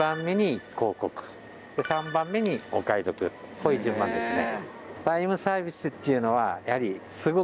こういう順番ですね。